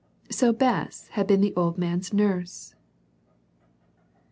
So Bess had been the old man's nurse'!